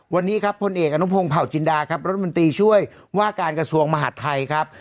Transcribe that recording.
วันนี้ครับพลเอกอนุพงศ์เผาจินดาครับรัฐมนตรีช่วยว่าการกระทรวงมหาดไทยครับ